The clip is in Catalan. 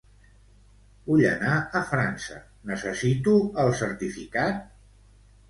Vull anar a França, necessito el certificat?